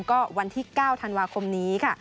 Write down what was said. ก็วันที่๙ธันวาคมนี้ค่ะ